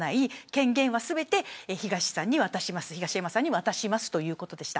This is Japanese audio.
権限はすべて東山さんに渡しますということでした。